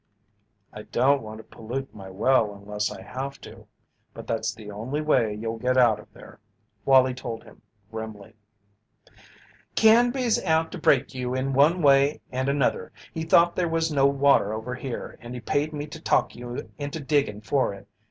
"I don't want to pollute my well unless I have to, but that's the only way you'll get out of there," Wallie told him, grimly. "Canby's out to break you in one way and another. He thought there was no water over here and he paid me to talk you into diggin' for it.